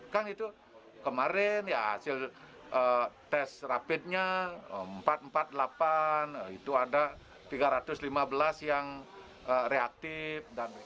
kan itu kemarin ya hasil tes rapidnya empat ratus empat puluh delapan itu ada tiga ratus lima belas yang reaktif